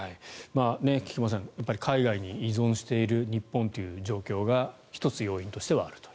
菊間さん、海外に依存している日本という状況が１つ、要因としてはあると。